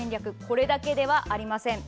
これだけではありません。